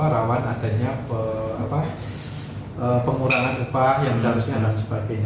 rawan adanya pengurangan upah yang seharusnya dan sebagainya